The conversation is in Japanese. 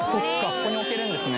ここに置けるんですね・